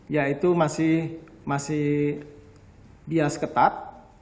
ya itu masih bias ketat